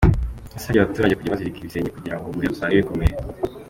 Yasabye abaturage kujya bazirika ibisenge kugira ngo umuyaga usange bikomeye.